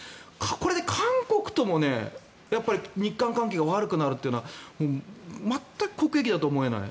これで韓国とも日韓関係が悪くなるのは全く国益だと思えない。